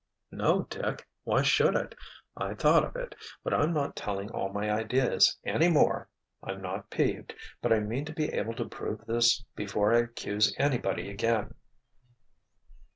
"No, Dick! Why should it? I thought of it. But I'm not telling all my ideas, any more. I'm not 'peeved,' but I mean to be able to prove this before I accuse anybody again."